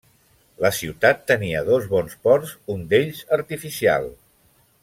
La ciutat tenia dos bons ports, un d'ells artificial.